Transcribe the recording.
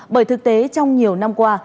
bởi thực tế trong nhiều năm qua